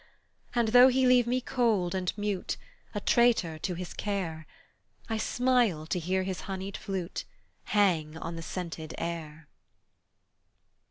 And though he leave me cold and mute, A traitor to his care, I smile to hear his honeyed flute Hang on the scented air.